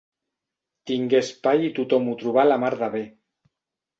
Tingué espai i tothom ho trobà la mar de bé.